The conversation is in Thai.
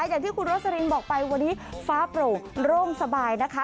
อย่างที่คุณโรสลินบอกไปวันนี้ฟ้าโปร่งโร่งสบายนะคะ